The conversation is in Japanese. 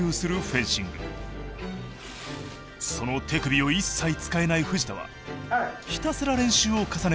その手首を一切使えない藤田はひたすら練習を重ね